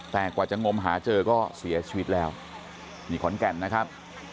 แต่กว่าจะงมหาเจอก็เสียชีวิตแล้วนี่ขอนแก่นนะครับ